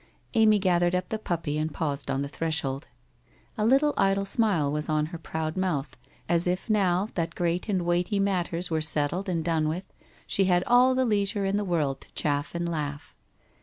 Amy gathered up the puppy, and paused on the threshold. ... A little idle smile was on her proud mouth, as if now, that great and weighty matters were settled and done with, 6he had all the leisure in the world to chaff and laugh.